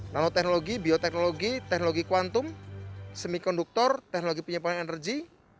nanoteknologi bioteknologi teknologi kuantum semikonduktor teknologi penyepan energi